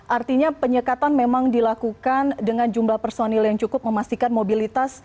artinya penyekatan memang dilakukan dengan jumlah personil yang cukup memastikan mobilitas